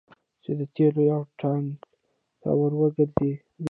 چې د تیلو یو ټانګ ته ور وګرځید.